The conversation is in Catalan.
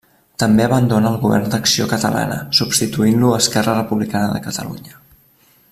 També abandona el govern Acció Catalana, substituint-lo Esquerra Republicana de Catalunya.